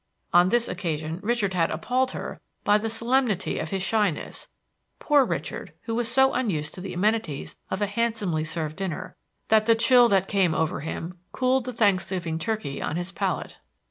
On this occasion Richard had appalled her by the solemnity of his shyness, poor Richard, who was so unused to the amenities of a handsomely served dinner, that the chill which came over him cooled the Thanksgiving turkey on his palate.